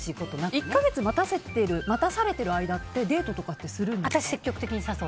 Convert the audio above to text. １か月待たされている間ってデートとかするんですか。